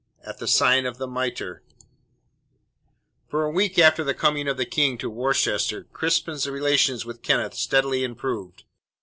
AT THE SIGN OF THE MITRE For a week after the coming of the King to Worcester, Crispin's relations with Kenneth steadily improved.